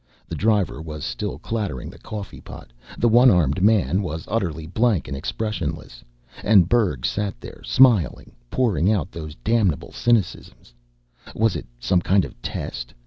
The driver was still clattering the coffee pot. The one armed man was utterly blank and expressionless. And Berg sat there, smiling, pouring out those damnable cynicisms. Was it some kind of test?